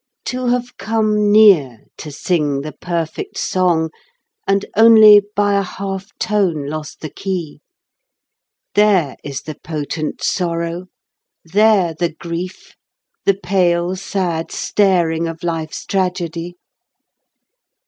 To have come near to sing the perfect song And only by a half tone lost the key, There is the potent sorrow, there the grief, The pale, sad staring of life's tragedy.